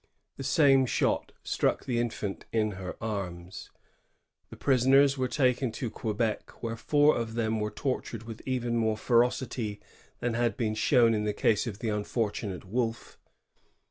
The same shot struck the infant in her arms. The prisoners were taken to Quebec, wh^re four of them were tortured with even more f erociiy than had been shown in the case of the unfortunate Wolf.